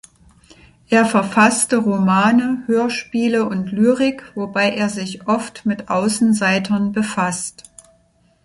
Er verfasste Romane, Hörspiele und Lyrik, wobei er sich oft mit Außenseitern befasst.